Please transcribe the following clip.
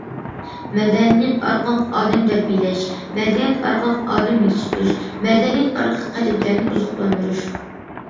مەدەنىيەت ئارقىلىق ئادەم تەربىيەلەش، مەدەنىيەت ئارقىلىق ئادەم يېتىشتۈرۈش، مەدەنىيەت ئارقىلىق قەلبلەرنى ئوزۇقلاندۇرۇش.